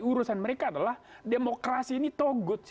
urusan mereka adalah demokrasi ini togut